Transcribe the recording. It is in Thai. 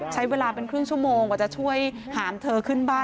ใช้เวลาเป็นครึ่งชั่วโมงกว่าจะช่วยหามเธอขึ้นบ้าน